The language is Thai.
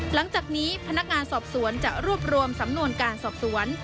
หลังจากนี้พนักงานสอบสวนจะรวบรวมสำนวนการสอบสวน